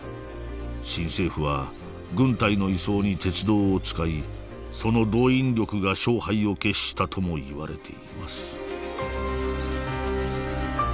新政府は軍隊の移送に鉄道を使いその動員力が勝敗を決したともいわれています